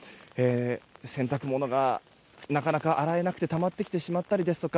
洗濯物がなかなか洗えなくてたまってきてしまったりですとか